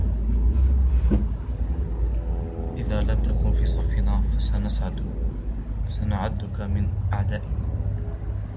إذا لم تكن في صفنا فسنعدك من أعدائنا.